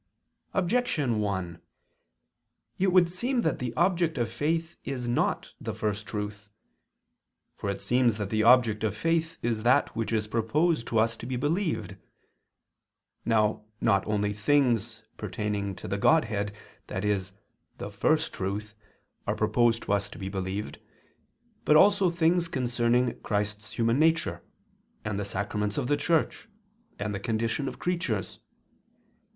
Objection 1: It would seem that the object of faith is not the First Truth. For it seems that the object of faith is that which is proposed to us to be believed. Now not only things pertaining to the Godhead, i.e. the First Truth, are proposed to us to be believed, but also things concerning Christ's human nature, and the sacraments of the Church, and the condition of creatures.